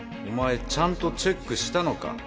お前ちゃんとチェックしたのか？